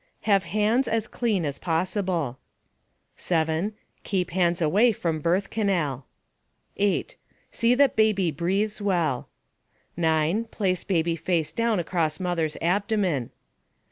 Have hands as clean as possible. 7. Keep hands away from birth canal. 8. See that baby breathes well. 9. Place baby face down across mother's abdomen.